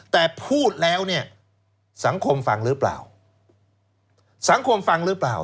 แต่พูดแล้วสังคมฟังหรือเปล่า